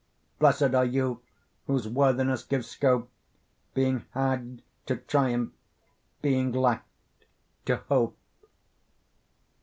Blessed are you whose worthiness gives scope, Being had, to triumph; being lacked, to hope.